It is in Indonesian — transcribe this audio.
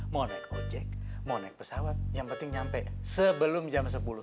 mau naik ojek mau naik pesawat yang penting nyampe sebelum jam sepuluh